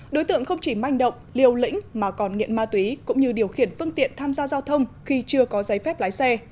đối tượng không chỉ manh động liều lĩnh mà còn nghiện ma túy cũng như điều khiển phương tiện tham gia giao thông khi chưa có giấy phép lái xe